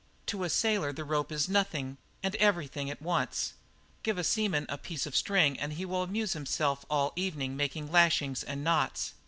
To a sailor the rope is nothing and everything at once. Give a seaman even a piece of string and he will amuse himself all evening making lashings and knots.